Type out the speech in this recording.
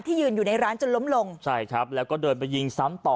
ยืนอยู่ในร้านจนล้มลงใช่ครับแล้วก็เดินไปยิงซ้ำต่อ